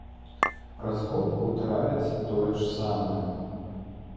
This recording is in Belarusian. Праз год паўтараецца тое ж самае.